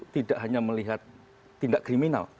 tidak hanya melihat tindak kriminal